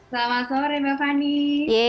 selamat sore mbak fani